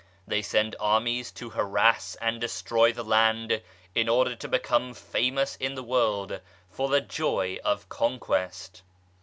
They send armies to harass and destroy the land, in order to become famous in the world, for the joy of conquest.